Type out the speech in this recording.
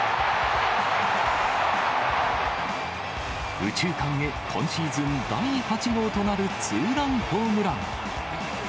右中間へ今シーズン第８号となるツーランホームラン。